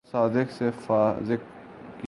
صبح صادق سے فائرنگ کی